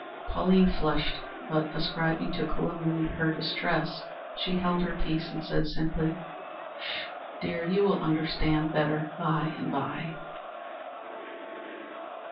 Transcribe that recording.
Pauline flushed, but, ascribing the calumny to distress, she held her peace, and said, simply: "Sh! dear. You will understand better by and by."